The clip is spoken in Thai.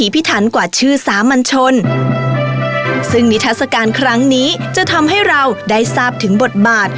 ประการครั้งนี้จะทำให้เราได้ทราบถึงบทบาท